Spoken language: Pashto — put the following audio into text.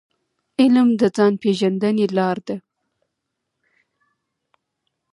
علم د ځان پېژندني لار ده.